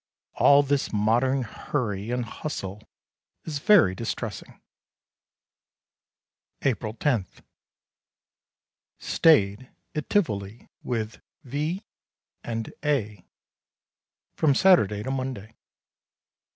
All this modern hurry and hustle is very distressing. April 10. Stayed at Tivoli with V.... and A.... from Saturday to Monday.